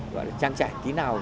gọi là trang trải tí nào